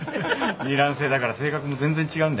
二卵性だから性格も全然違うんだよ。